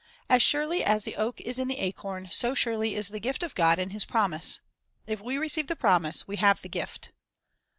1 As surely as the oak is in the acorn, so surely is the gift of God in His promise. If we receive the promise, we have the gift.